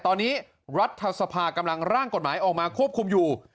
ตอนนี้รัฐสภากำลังร่างกฎหมายออกมาควบคุมอยู่